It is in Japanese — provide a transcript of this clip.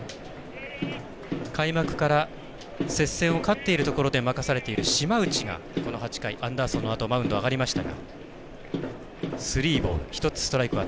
開幕から接戦を勝っているところで任されている島内が、この８回アンダーソンのあとマウンド上がりました。